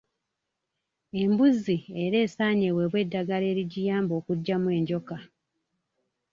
Embuzi era esaanye eweebwe eddagala erigiyamba okuggyamu enjoka.